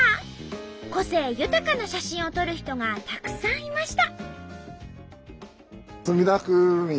個性豊かな写真を撮る人がたくさんいました。